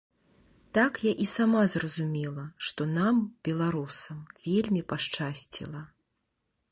Так я і сама зразумела, што нам, беларусам, вельмі пашчасціла.